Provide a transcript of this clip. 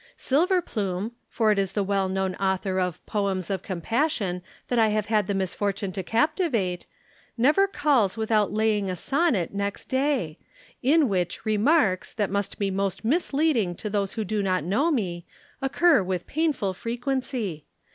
Silverplume, for it is the well known author of 'Poems of Compassion' that I have had the misfortune to captivate, never calls without laying a sonnet next day; in which remarks, that must be most misleading to those who do not know me, occur with painful frequency.